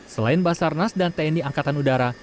selain basarnas dan tni angkatan udara